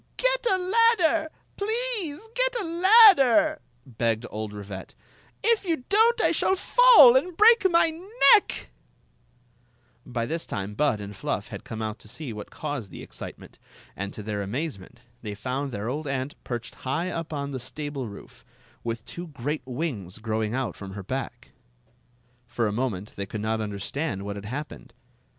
Story of the Magic Cloak 89 don't, I shall fall and break my neck ' By this time Bud and Fluff had come out to stre what caused the excitement; and, to their amat^MM. they found their old aunt perched high up on t stable root" with two great wings growing out fron her back For a moment they could not understand what had happened.